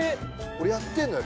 俺やってんのよ